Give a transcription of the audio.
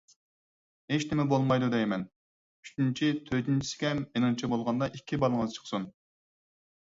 ھېچنىمە بولمايدۇ دەيمەن. ئۈچىنچى، تۆتىنچىسىگە مېنىڭچە بولغاندا ئىككى بالىڭىز چىقسۇن.